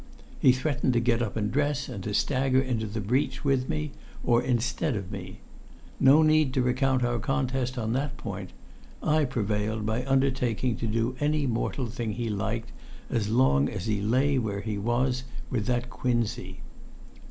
He threatened to get up and dress, and to stagger into the breach with me or instead of me. No need to recount our contest on that point. I prevailed by undertaking to do any mortal thing he liked, as long as he lay where he was with that quinsy.